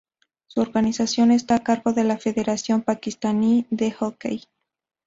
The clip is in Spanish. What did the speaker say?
Su organización está a cargo de la Federación Pakistaní de Hockey.